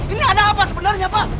ini ada apa sebenarnya pak